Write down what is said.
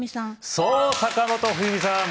そう坂本冬美さん